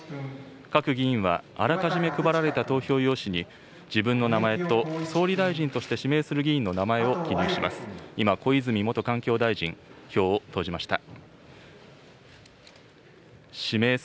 各議員はあらかじめ配られた投票用紙に、自分の名前と総理大臣として指名する議員の名前を記入します。